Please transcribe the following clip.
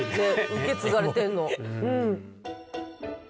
受け継がれてんの。